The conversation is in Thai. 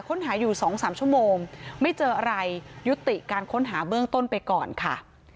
อยู่๒๓ชั่วโมงไม่เจออะไรยุติการค้นหาเบื้องต้นไปก่อนค่ะ